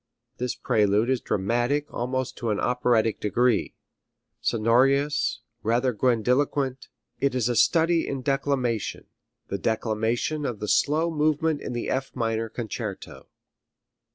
This prelude is dramatic almost to an operatic degree. Sonorous, rather grandiloquent, it is a study in declamation, the declamation of the slow movement in the F minor concerto.